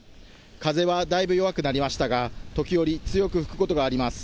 風はだいぶ弱くなりましたが、時折強く吹くことがあります。